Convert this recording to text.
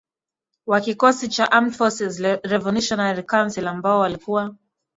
wa kikosi cha Armed Forces Revolutionary Coucil ambao walikuwa